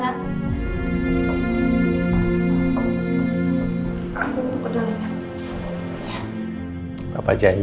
aku mau pergi ke sana